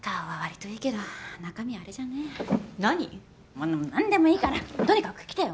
もうなんでもいいからとにかく来てよ！